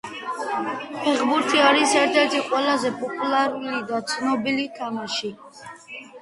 ფილმი მოიწონეს კრიტიკოსებმა და წარმატებული იყო კომერციული თვალსაზრისით.